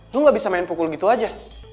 lo ga bisa main pukul gitu aja